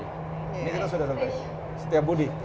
ini kita sudah sampai setiap budi